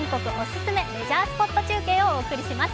レジャースポット中継」をお送りします。